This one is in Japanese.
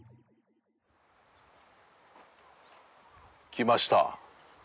来ました。